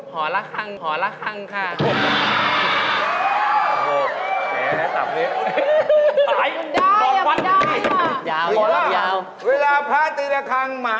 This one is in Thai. ห่อละครั้งครั้งละครั้งค่ะ